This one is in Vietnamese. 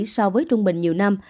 so với trung bình nhiều năm